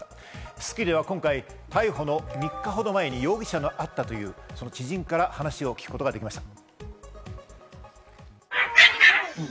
『スッキリ』では今回、逮捕の３日ほど前に容疑者に会ったという知人から話を聞くことができました。